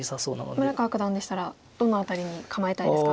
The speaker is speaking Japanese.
村川九段でしたらどの辺りに構えたいですか？